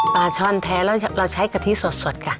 ปลาช่อนแท้เราใช้กะทิสดค่ะ